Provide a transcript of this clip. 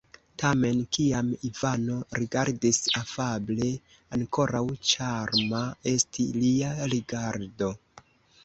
Tamen, kiam Ivano rigardis afable, ankoraŭ ĉarma estis lia rigardo.